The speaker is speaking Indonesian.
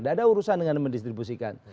tidak ada urusan dengan mendistribusikan